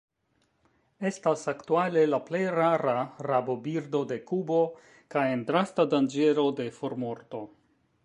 Estas aktuale la plej rara rabobirdo de Kubo, kaj en drasta danĝero de formorto.